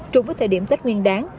trùng với thời điểm tết nguyên